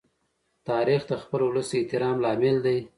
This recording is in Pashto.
تاریخ د خپل ولس د احترام لامل دی.